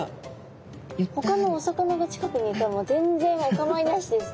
ほかのお魚が近くにいても全然お構いなしですね。